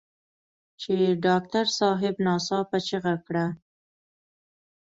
چې ډاکټر صاحب ناڅاپه چيغه کړه.